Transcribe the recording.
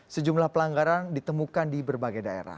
sejumlah pelanggaran ditemukan di berbagai daerah